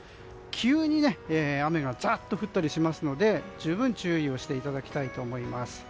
急に雨がざっと降ったりしますので十分注意をしていただきたいと思います。